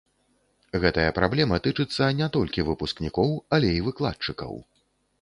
Гэтая праблема тычыцца не толькі выпускнікоў, але і выкладчыкаў.